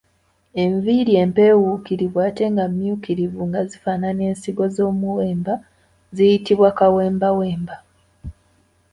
Enviiri empeewuukirivu ate nga mmyukirivu nga zifaananako ensigo z’omuwemba ziyitibwa kawembawemba.